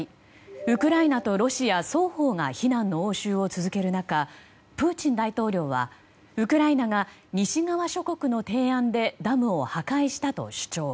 ウクライナとロシア双方が非難の応酬を続ける中プーチン大統領はウクライナが西側諸国の提案でダムを破壊したと主張。